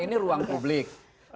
ini ruang publik